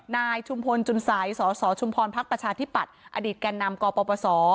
นายชุมพลจุนสัยสสชุมพรพักประชาธิปัตย์อดีตแก่นำกปศ